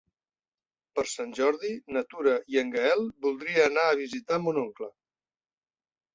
Per Sant Jordi na Tura i en Gaël voldria anar a visitar mon oncle.